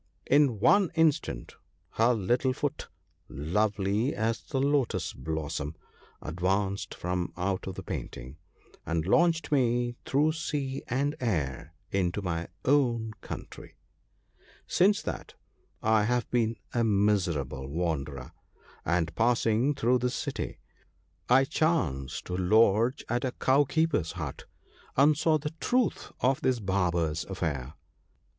In one instant her little foot, lovely as the lotus blossom, advanced from out of the painting, and launched me through sea and air into my own country. Since that I have been a miserable wanderer ; and passing through this city, I chanced to lodge at a [ FOUND THE SEA QUEEN. THE PARTING OF FRIENDS. 7$ Cowkeeper's hut, and saw the truth of this Barber's affair.